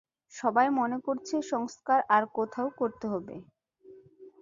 সবাই মনে করছে, সংস্কার আর কোথাও করতে হবে।